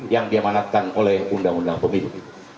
yang diamanatkan oleh undang undang pemilu